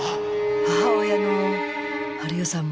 母親の晴代さんも。